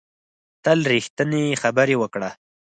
تل ریښتینې خبرې وکړه